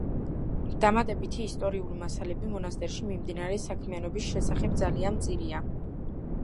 დამატებითი ისტორიული მასალები მონასტერში მიმდინარე საქმიანობის შესახებ ძალიან მწირია.